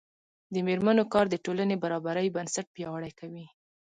د میرمنو کار د ټولنې برابرۍ بنسټ پیاوړی کوي.